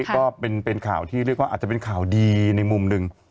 ก็เป็นข่าวที่เรียกว่าอาจจะเป็นข่าวดีในมุมหนึ่ง